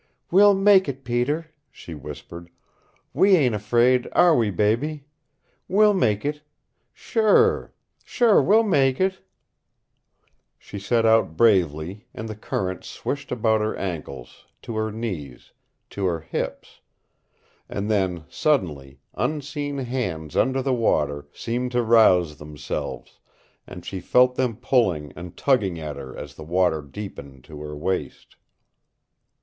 "We'll make it, Peter," she whispered. "We ain't afraid, are we, baby? We'll make it sure sure we'll make it " She set out bravely, and the current swished about her ankles, to her knees, to her hips. And then, suddenly, unseen hands under the water seemed to rouse themselves, and she felt them pulling and tugging at her as the water deepened to her waist.